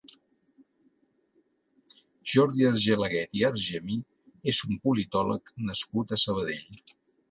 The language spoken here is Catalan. Jordi Argelaguet i Argemí és un politòleg nascut a Sabadell.